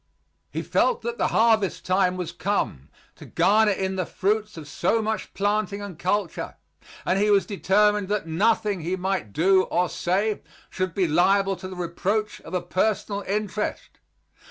He felt that the harvest time was come, to garner in the fruits of so much planting and culture, and he was determined that nothing he might do or say should be liable to the reproach of a personal interest.